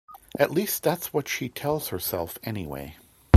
At least that's what she tells herself anyway.